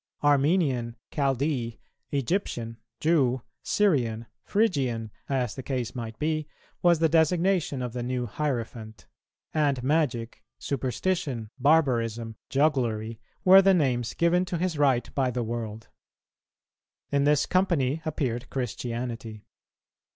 Armenian, Chaldee, Egyptian, Jew, Syrian, Phrygian, as the case might be, was the designation of the new hierophant; and magic, superstition, barbarism, jugglery, were the names given to his rite by the world. In this company appeared Christianity.